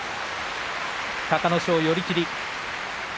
隆の勝、寄り切り。